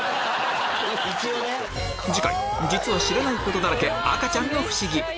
次回実は知らないことだらけ赤ちゃんのフシギ！